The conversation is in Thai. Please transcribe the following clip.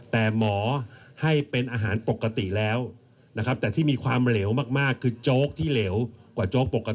แต่หมอให้เป็นอาหารปกติแล้วนะครับแต่ที่มีความเหลวมากคือโจ๊กที่เหลวกว่าโจ๊กปกติ